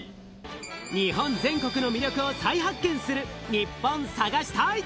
日本全国の魅力を再発見するニッポン探し隊！